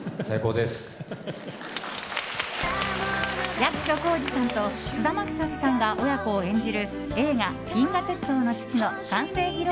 役所広司さんと菅田将暉さんが親子を演じる映画「銀河鉄道の父」の完成披露